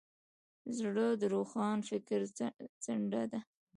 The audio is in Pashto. زړه د روښان فکر څنډه ده.